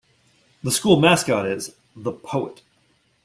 The school mascot is The Poet.